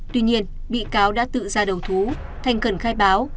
tuy nhiên bị cáo đã tự ra đầu thú thành cần khai báo